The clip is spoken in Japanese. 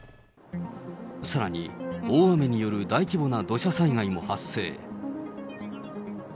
さらに、大雨による大規模な土砂災害も発生。